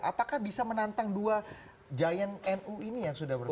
apakah bisa menantang dua giant nu ini yang sudah berhasil